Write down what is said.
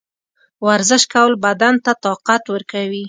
ورزش کول بدن ته طاقت ورکوي.